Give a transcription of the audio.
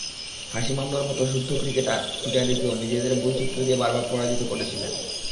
হাশিম আমলার মতো শুদ্ধ ক্রিকেটের পুজারিকেও নিজের বৈচিত্র্য দিয়ে বারবার পরাজিত করছিলেন।